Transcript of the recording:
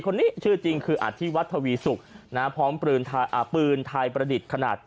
คนนี้ชื่อจริงคืออาทิวัฒน์ภาวีศุกร์นะฮะพร้อมปืนอ่าปืนไทยประดิษฐ์ขนาด